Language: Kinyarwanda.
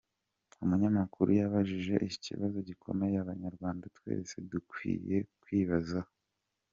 Umunyamakuru yabajije ikibazo gikomeye abanyarwanda twese dukwiye kwibazaho: